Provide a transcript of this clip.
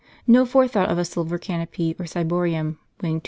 t No forethought of a silver canopy or ciborium, weighing 287 lbs.